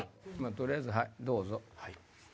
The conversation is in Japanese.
取りあえずはいどうぞ。